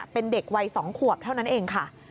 เป็นเด็กวัย๒ขวบเท่านั้นเองค่ะ